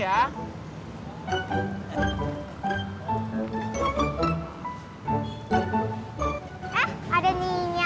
eh ada nia